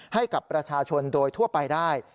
ให้กับประชาชนโดยทั่วไปได้